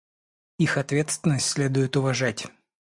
Их ответственность следует уважать.